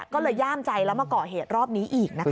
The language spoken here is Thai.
ก็เลยย่ามใจแล้วมาก่อเหตุรอบนี้อีกนะคะ